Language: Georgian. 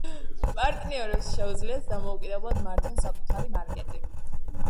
პარტნიორებს შეუძლიათ დამოუკიდებლად მართონ საკუთარი მარკეტი.